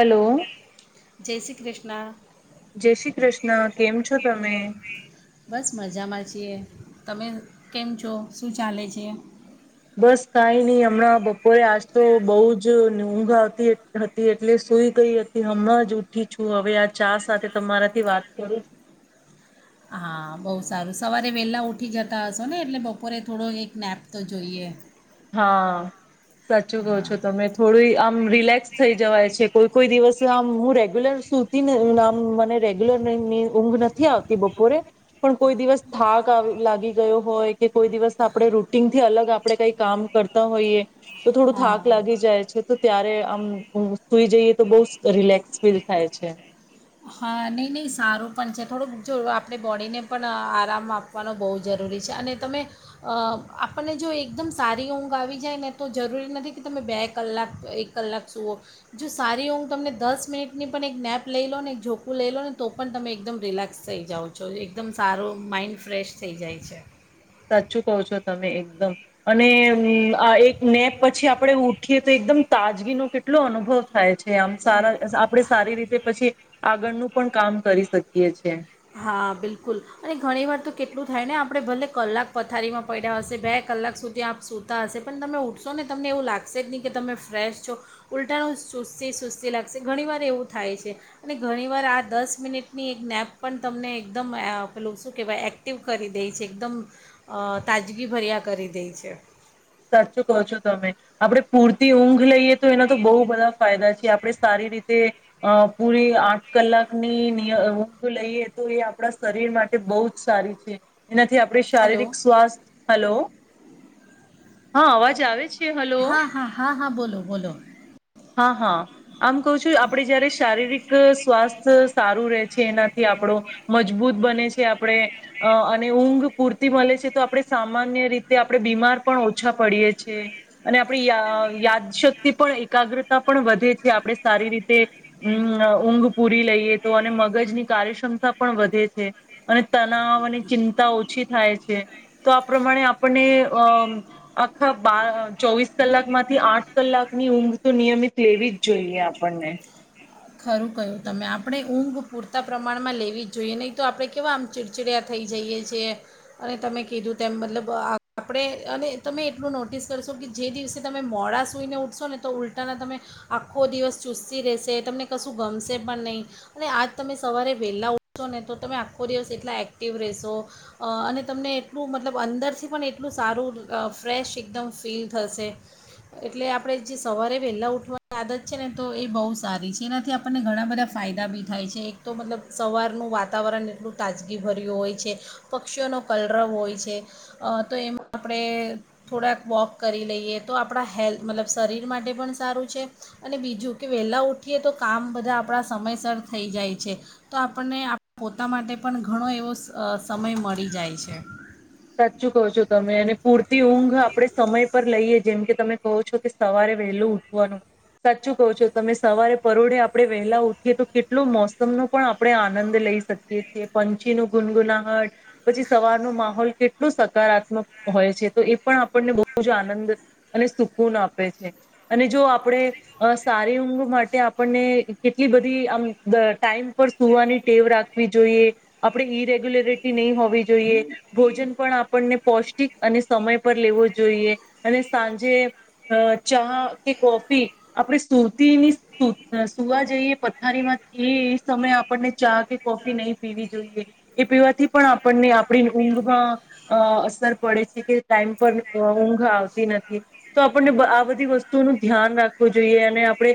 Hello જય શ્રી કૃષ્ણ. ના. જય શ્રી કૃષ્ણ કેમ છો તમે? બસ મજામાં છીએ તમે કેમ છો શું ચાલે છે? બસ કાઈ નહી હમણાં બપોરે આજ તો બહુ જ ઊંઘ આવતી હતી, એટલે સુઈ ગઈ હતી, હમણાં જ ઉઠી છું હવે આ ચા સાથે તમારાથી વાત કરું છું. હા બહુ સારું સવારે વહેલા ઉઠી જતા હશો ને એટલે બપોરે થોડો એક નેપ તો જોઈએ. હા, સાચું કો હા છો તમે થોડી આમ રિલેક્સ થઈ જવાય છે કોઈ કોઈ દિવસ આમ હું રેગ્યુલર સુતીને આમ મને રેગ્યુલરની ઊંઘ નથી આવતી બપોરે, પણ કોઈ દિવસ થાક લાગી ગયો હોય, કે કોઈ દિવસ આપણે રૂટીન થી અલગ આપણે કઈક કામ કરતા હોઈએ, તો થોડું થાક હા લાગી જાય છે તો ત્યારે આમ સુઈ જઈએ તો બઉ રિલેક્સ ફીલ થાય છે. હા નહીં નહીં સારું પણ છે થોડુંક જો આપણે બોડીને પણ આરામ આપવાનો બહુ જરૂરી છે અને તમે, આપણને જો એકદમ સારી ઊંઘ આવી જાય ને તો જરૂરી નથી કે તમે બે કલાક એક કલાક સૂઓ, જો સારી ઊંઘ તમને દસ મિનિટની પણ એક નેપ લઈ લો ને જોખું લઈ લો ને તો પણ તમે એકદમ રિલેક્સ થઈ જાઓ છો એકદમ સારો માઇન્ડ ફ્રેશ થઈ જાય છે. સાચું કહ છો તમે એકદમ, અને આ એક નેપ પછી આપડે ઉઠીએ તો એકદમ તાજગીનો કેટલો અનુભવ થાય છે. આમ સારા આપડે સારી રીતે પછી આગળનું પણ કામ કરી શકીએ છે. હા બિલકુલ, અને ઘણીવાર તો કેટલું થાય ને આપણે ભલે કલાક પથારીમાં પડ્યા હશે બે કલાક સુધી આપ સૂતા હશે પણ તમે ઉઊઠશો ને તમને એવું લાગશે જ નહીં કે તમે ફ્રેશ છો, ઉલટાણું સુસ્તી સુસ્તી લાગશે ઘણીવાર એવું થાય છે, અને ઘણીવાર આ દસ મિનિટની એક નેપ પણ તમને એકદમ પેલું શું કહેવાય એક્ટિવ કરી દે છે એકદમ, તાજગીભર્યા કરી દેય છે. સાચું કહો છો તમે, આપડણે પૂરતી ઊંઘ લઈએ તો એના તો બહુ બધા ફાયદા છે આપણે સારી રીતે, અ પૂરી આઠ કલાકનીય ઊંઘ લઈએ તો એ આપણા શરીર માટે બહુ જ સારી છે. એનાથી આપણે હલો શારીરિક સ્વાસ્થ્ય હલો હા અવાજ આવે છે? હલો હા હા હા હા બોલો બોલો. હા હા. આમ કઉ છું આપડે જયારે શારીરિક સ્વાસ્થ સારું રે છે એનાથી આપણો, મજબૂત બને છે આપણે, અ અને ઊંઘ પૂરતી મળે છે તો આપણે સામાન્ય રીતે આપણે બીમાર પણ ઓછા પડીએ છે, અને આપણી યા યાદશક્તિ પણ એકાગ્રતા પણ વધે છે આપણે સારી રીતે, મ ઊંઘ પૂરી લઈએ તો અને મગજની કાર્યક્ષમતા પણ વધે છે, અને તનાવ અને ચિંતા ઓછી થાય છે, તો આ પ્રમાણે આપણને અ આખા બાર ચોવીસ કલાક માંથી આઠ કલાકની ઊંઘ તો નિયમિત લેવી જ જોઈએ આપણને. ખરું કહ્યું તમે આપણે ઊંઘ પૂરતા પ્રમાણમાં લેવી જ જોઈએ નહીં તો આપણે કેવા આમ ચિડચિડયા થઈ જઈએ છીએ, અને તમે કીધું તેમ મતલબ આપણે અને તમે એટલું નોટિસ કરશો કે જે દિવસે તમે મોડા સૂઈને ઊઠશો ને તો ઉલટાના તમે, આખો દિવસ ચુસ્તી રહેશે તમને કશું ગમશે પણ નહીં, અને આજ તમે સવારે વહેલા ઉઠશો ને તો તમે આખો દિવસ એટલા એક્ટિવ રહેશો, અને તમને એટલું મતલબ અંદરથી પણ એટલું સારું ફ્રેશ એકદમ ફીલ થશે, એટલે આપણે જે સવારે વહેલા ઉઠવાની આદત છે ને તો એ બહુ સારી છે એના થી આપણને ઘણા બધા ફાયદા બી થાય છે એક તો મતલબ સવારનું વાતાવરણ એટલું તાજગી ભર્યું હોય છે, પક્ષીઓનો કલરવ હોય છે, અ તો એમાં આપણે થોડાક વોક કરી લઈએ તો આપણા હેલ્થ મતલબ શરીર માટે પણ સારું છે, અને બીજું કે વહેલા ઉઠીએ તો કામ બધા આપણા સમયસર થઈ જાય છે, તો આપણને પોતા માટે પણ ઘણો એવો સમય મળી જાય છે. સાચું કહો છો તમે અને પૂરતી ઊંઘ આપણે સમય પર લઈએ જેમ કે તમે કહો છો કે સવારે વહેલું ઉઠવાનું, સાચું કહો છો તમે સવારે પરોડે આપણે વહેલા ઉઠીએ તો કેટલો મોસમનો પણ આપણે આનંદ લઈ શકીએ છીએ, પંછી ન ગુનગુનાહટ, પછી સવારનો માહોલ કેટલું સકારાત્મક હોય છે તો એ પણ આપણને બહુ જ આનંદ અને સુકૂન આપે છે, અને જો આપણે સારી ઊંઘ માટે આપણને કેટલી બધી આમ ટાઈમ પર સુવાની ટેવ રાખવી જોઈએ, આપણે ઈરેગ્યુલરિટી નહીં હોવી જોઈએ, ભોજન પણ આપણને પૌષ્ટિક અને સમય પર લેવો જોઈએ, અને સાંજે ચા કે કોફી આપણે સુતી ની સુવા જઈએ પથારીમાં એ સમયે આપણને ચા કે કોફી નહી પીવી જોઈએ, એ પીવાથી પણ આપણને આપણી ઊંઘમાં અ અસર પડે છે કે ટાઈમ પર ઊંઘ આવતી નથી, તો આપણને આ બધી વસ્તુઓનું ધ્યાન રાખવું જોઈએ અને આપણે,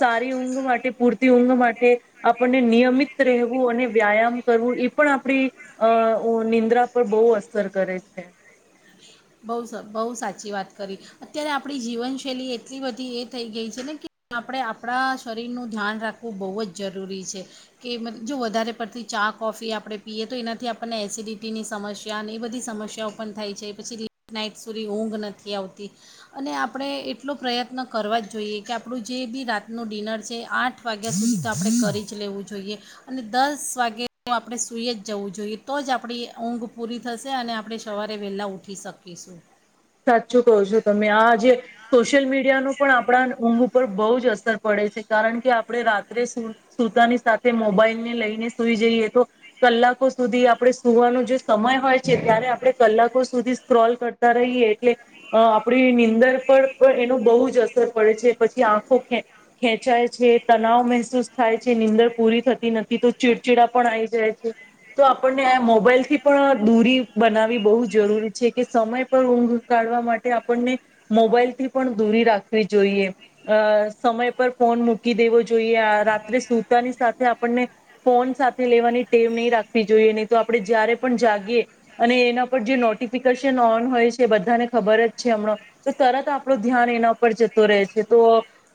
સારી ઊંઘ માટે પૂરતી ઊંઘ માટે આપણને નિયમિત રહેવું અને વ્યાયામ કરવું એ પણ આપણી, અ નિંદ્રા પર બહુ અસ કરે છે. બહુ બહુ સાચી વાત કરી, અત્યારે આપણી જીવનશૈલી એટલી બધી એ થઈ ગઈ છે ને કે આપણે આપણા શરીરનું ધ્યાન રાખવું બવજ જરૂરી છે, કે જો વધારે પડતી ચા કોફી આપણે પીએ તો એનાથી આપણને એસિડિટીની સમસ્યા અને એ બધી સમસ્યાઓ પણ થાય છે પછી નાઇટ સુધી ઊંઘ નથી આવતી, અને આપણે એટલો પ્રયત્ન કરવા જ જોઈએ કે આપણું જે બી રાતનું ડિનર છે આઠ વાગ્યા સુધી તો આપણે કરી જ લેવું જોઈએ, અને દસ વાગ્યા આપણે સુઈએ જ જવું જોઈએ તો જ આપણી ઊંઘ પૂરી થશે અને આપણે સવારે વેલા ઊઠી શકીશું. પીસું. સાચું કહો છો તમે આ જેે, સોશિયલ મીડિયા નું પણ આપણા ઊંઘ ઉપર બહુ જ અસર પડે છે કારણ કે, આપણે રાત્રે સુતાની સાથે મોબાઈલને લઈને સુઈ જઈએ તો, કલાકો સુધી આપણે સુવાનો જે સમય હોય છે ત્યારે આપણે કલાકો સુધી સ્ક્રોલ કરતા રહીએ. એટલે, આપણી નીંદર પર પણ એનો બહુ જ અસર પડે છે પછી આંખો ખેંચાય છે, તનાવ મહેસૂસ થાય છે નીંદર પૂરી થતી નથી તો ચીડચીડા પણ આવી જાય છે, તો આપણને આ મોબાઈલથી પણ દૂરી બનાવી બહુ જરૂરી છે કે સમય પર ઊંઘ કાઢવા માટે આપણને, મોબાઈલ થી પણ દૂરી રાખવી જોઈએ, અ સમય પર ફોન મૂકી દેવો જોઈએ આ રાત્રે સુતાની સાથે આપણને, ફોન સાથે લેવાની ટેવ નહીં રાખવી જોઈએ નહી તો આપણે જયારે પણ જાગીએ, અને એના પર જે નોટિફિકેશન ઓન હોય છેા બધાને ખબર જ છે હમણાં, તો તરત આપણું ધ્યાન એના ઉપર જતો રહે છે તો,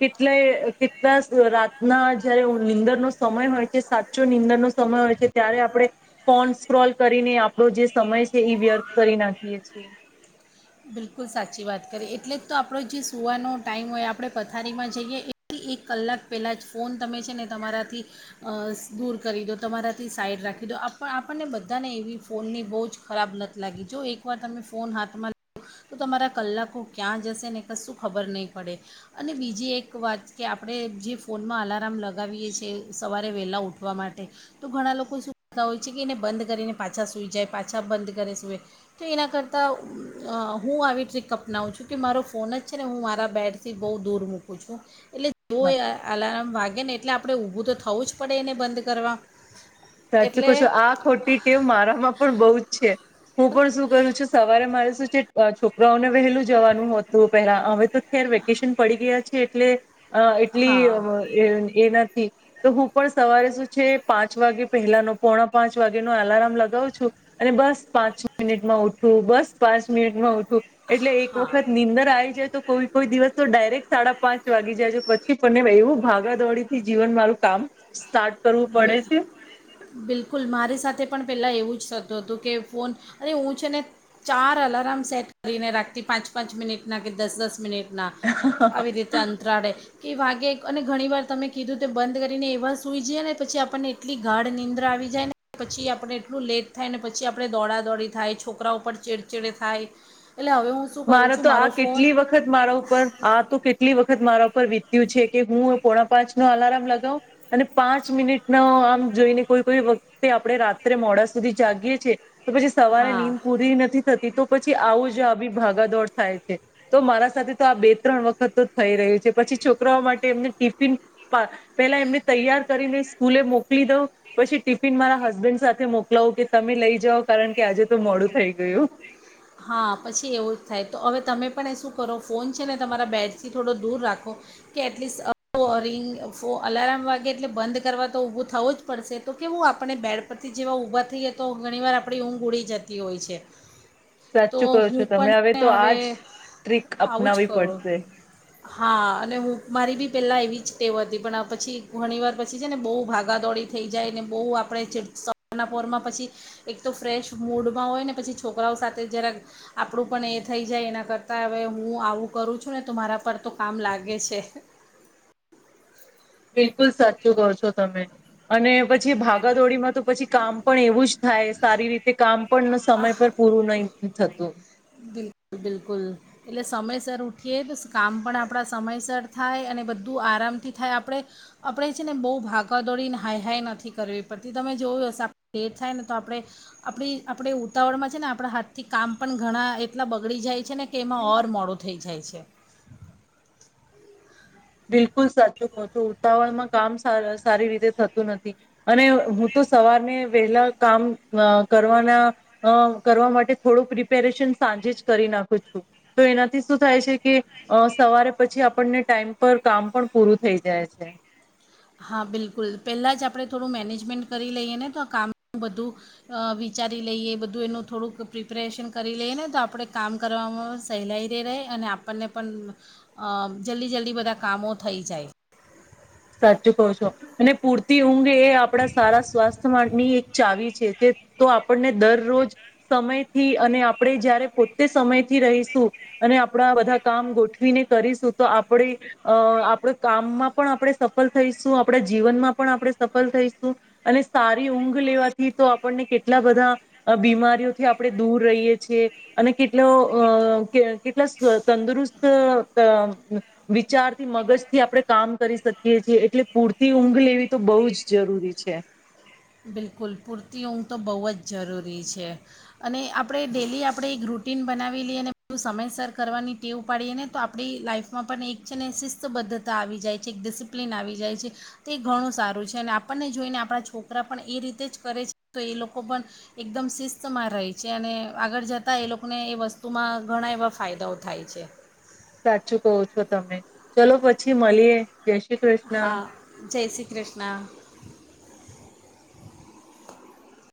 કેટલે કેટલા રાતના જયારે નીંદરનો સમય હોય છે સાચો નીંદરનો સમય હોય છે ત્યારે આપણે, ફોન સ્કોલ કરીને આપણો જે સમય છે એ વ્યર્થ કરી નાખીએ છીએ. બિલકુલ સાચી વાત કરી એટલે જ તો આપણો જે સુવાનો ટાઈમ હોય આપણે પથારીમાં જઈએ એ એક કલાક પહેલાં જ ફોન તમે છે ને તમારાથી, આ દૂર કરી દો તમારાથી સાઈડ રાખી દો આપ આપણને બધાને એવી ફોનની બહુ જ ખરાબ લટ લાગી જો એકવાર તમે ફોન હાથમાં તો તમારા કલાકો ક્યાં જશે ને કશું ખબર નહીં પડે, અને બીજી એક વાત કે, આપણે જે ફોનમાં અલારામ લગાવીએ છીએ સવારે વહેલા ઉઠવા માટે, તો ઘણા લોકો શું કરતા હોય છે કે એને બંધ કરીને પાછા સૂઈ જાય પાછા બંધ કરે સૂએ, તો એના કરતાં હું આવી ટ્રીક અપનાવું છું કે મારો ફોન જ છે ને હું મારા બેડથી બહુ દૂર મૂકું છું. એટલે જો એલેરામ વાગે એને એટલે આપણે ઊભું તો થવું જ પડે એને બંધ કરવા. સાચું એટલે કવ છું આ ખોટી ટેવ મારામાં પણ બહુ જ છે. હું પણ શું કરું જો સવારે મારે શું છે છોકરાઓને વહેલું જવાનું હતું પેલા હવે તો ખેર વેકેશન પડી ગયા છે એટલે અ એટલી હા અ એ નથી. તો હું પણ સવારે શું છે પાંચ વાગે પહેલાનો પોણા પાંચ વાગે નો અલાર્મ લગાવું છું, અને બસ પાંચ મિનિટમાં ઊઠું બસ પાંચ મિનિટમાં ઊઠું. એટલે એક હા વખત નીંદર આવી જાય તો કોઈ કોઈ દિવસ તો ડાયરેક્ટ સાડા પાંચ વાગી જાય પછી પણને એવું ભાગાદોડી થી જીવન મારું કામ સ્ટાર્ટ કરવું પડે છે. બિલકુલ મારી સાથે પણ પહેલાં એવું જ થતું હતું કે ફોન, અને હું છે ને ચાર અલાર્મ સેટ કરીને રાખતી પાંચ પાંચ મિનિટના કે દસ દસ મિનિટ ના, આવી રીતે અત્રારડે કે વાગે અને ઘણી વાર તમે કીધું તે બંધ કરીને એવા સૂઈ જે ને પછી આપણને એટલી ગાઢ નીંદ્ર આવી જાય ને પછી આપણને એટલું લેટ થાય ને પછી આપડે દોડા દોડી થાય છોકરા ઉપર ચીડચીડ થાય. હવે હું શું કરું મારો છું તો આ ફોન કેટલી વખત મારા ઉપર આ તો કેટલી વખત મારા ઉપર વિત છે કે હું પોણા પાંચ નો અલાર્મ લગાવ, અને પાંચ મિનિટ ન આમ જોઈને કોઈ કોઈ વખતે આપણે રાત્રે મોડા સુધી જાગીએ છે. તો પછી સવારે હા નીદ પૂરી નથી થતી તો પછી આવું જ આવી ભાગાદોડ થાય છે, તો મારા સાથે તો આ બે ત્રણ વખત તો થઈ રહ્યું છે પછી છોકરાઓ માટે એમને ટિફિન, પેલા એમને તૈયાર કરીને સ્કૂલે મોકલી દઉં, પછી ટિફિન મારા હસબન્ડ સાથે મોકલાવું કે તમે લઈ જાઓ કારણ કે આજે તો મોડું થઈ ગયું. હા પછી એવું જ થાય તો હવે તમે પણ એ શું કરો ફોન છે ને તમારા બેડથી થોડો દૂર રાખો કે, એટલીસ્ટ રિંગો અલાર્મ વાગે એટલે બંધ કરવા તો ઊભું થવું જ પડશે તો કે હું આપણે બેડ પરથી જેવા ઊભા થઈએ તો ઘણીવાર આપણી ઊંઘ ઉડી જતી હોય છે. તો સાચું કહો છો હું તમે પણ તો હવે આજ ટ્રીક આવું જ અપનાવી કરું, પડશે હા અને હું મારી બી પહેલાં એવી જ ટેવ હતી પણ પછી ઘણીવાર પછી છે ને બહુ ભાગાદોડી થઈ જાય ને બહુ આપણે સનાપરમાં પછી, એક તો ફ્રેશ મૂડમાં હોય ને પછી છોકરાઓ સાથે જરાક, આપણું પણ એ થઈ જાય એના કરતાં હવે હું આવું કરું છું ને તો મારા પર તો કામ લાગે છે. બિલકુલ સાચું કહો છો તમે, અને પછી ભાગાદોડીમાં તો પછી કામ પણ એવું જ થાય સારી રીતે કામ પણ સમય આહ પર પૂરું નહી થતું. લ બિલકુલ, એટલે સમયસર ઉઠીએ તો કામ પણ આપણા સમયસર થાય અને બધું આરામથી થાય આપણે, આપણે છે ને બહુ ભાગા દોડીને હાઈ હાઈ નથી કરવી પડતી તમે જોયું હશે, આપ લેટ થાય ને તો આપણે આપણી આપણે ઉતાવળમાં છે ને આપણા હાથથી કામ પણ ઘણા એટલા બગડી જાય છે ને કે એમાં ઓર મોડો થઈ જાય છે. બિલકુલ સાચું કહ છું ઉતાવળમાં કામ સારી રીતે થતું નથી, અને હું તો સવારને વહેલા કામ કરવાના, કરવા માટે થોડું પ્રિપેરેશન સાંજે જ કરી નાખું છું, તો એનાથી શું થાય છે કે સવારે પછી આપણને ટાઈમ પર કામ પણ પૂરું થઈ જાય છે. હા બિલકુલ પહેલાં જ આપણે થોડું મેનેજમેન્ટ કરી લઈએ ને તો કામનું બધું, વિચારી લઈએ બધું એનું થોડુંક પ્રિપેરેશન કરી લઈએ ને તો આપણે કામ કરવામાં સહેલાઈ ર રહે અને આપણને પણ, જલ્દી જલ્દી બધા કામો થઈ જાય. સાચું કહો છો, અને પૂરતી ઊંઘ આપડા સારા સ્વાસ્થ માટેમાંની ચાવી છે તે તો આપણને દરરોજ, સમય થી અને આપણે જયારે પોતે સમયથી રહીશું, અને આપણા બધા કામ ગોઠવીને કરીશું તો આપણે, અ આપણા કામમાં પણ આપણે સફ થઈશું આપણા જીવનમાં પણ આપણે સફળ થઈશું, અને સારી ઊંઘ લેવાથી તો આપણને કેટલા બધા બીમારીઓથી આપણે દૂર રહીએ છીએ, અને કેટલો અ કેટલા તંદુરસ્ત વિચારથી મગજથી આપણે કામ કરી શકીએ. એ એટલે પૂરતી ઊંઘ લેવી તો બહુ જ જરૂરી છે. બિલકુલ પૂરતી ઊંઘ તો બહુ જ જરૂરી છે, અને આપણે ડેલી આપણે એક રૂટિન બનાવી લઈએ અને બું સમયસર કરવાની ટેવ પાડીએ ને તો આપણી લાઈફમાં પણ એક છે ને શિસ્તબદ્ધતા આવી જાય છે એક ડિસિપ્લિન આવી જાય છે, તે ઘણું સારું છે અને આપણને જોઈને આપણા છોકરા કરા પણ એ રીતે જ કરે છે તો એ લોકો પણ એકદમ શિસ્તમાં રહે છે, અને આગળ જતાં એ લોકોને એ વસ્તુમાં ઘણા એવા ફાયદાઓ થાય છે. સાચું કહો છો તમે, ચલો પછી મલીએ. જય શ્રી કૃષ્ણ. હા જય શ્રી કૃષ્ણ.